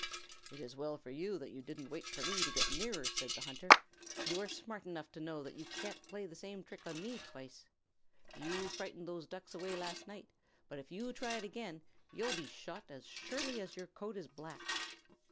"It is well for you that you didn't wait for me to get nearer," said the hunter. "You are smart enough to know that you can't play the same trick on me twice. You frightened those Ducks away last night, but if you try it again, you'll be shot as surely as your coat is black."